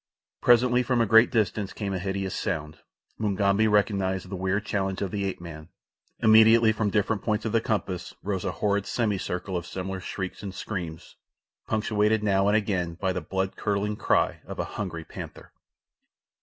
Presently from a great distance came a hideous sound. Mugambi recognized the weird challenge of the ape man. Immediately from different points of the compass rose a horrid semicircle of similar shrieks and screams, punctuated now and again by the blood curdling cry of a hungry panther.